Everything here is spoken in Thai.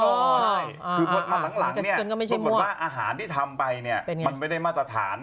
คือคนมาหลังเนี่ยก็บอกว่าอาหารที่ทำไปมันไม่ได้มาตรฐาน